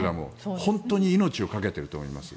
本当に命をかけていると思います。